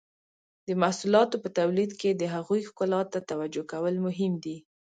د محصولاتو په تولید کې د هغوی ښکلا ته توجو کول هم مهم دي.